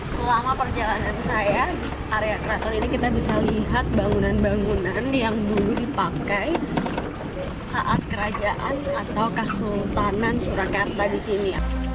selama perjalanan saya di area keraton ini kita bisa lihat bangunan bangunan yang dulu dipakai saat kerajaan atau kesultanan surakarta di sini